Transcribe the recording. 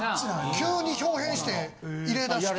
急に豹変して入れだして。